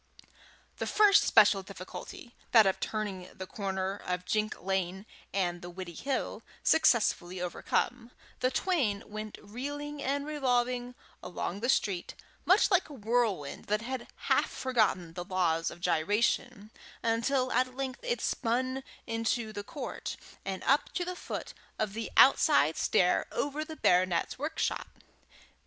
The first special difficulty, that of turning the corner of Jink Lane and the Widdiehill, successfully overcome, the twain went reeling and revolving along the street, much like a whirlwind that had half forgotten the laws of gyration, until at length it spun into the court, and up to the foot of the outside stair over the baronet's workshop.